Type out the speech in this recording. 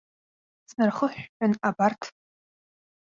Снархыҳәҳәан абарҭ.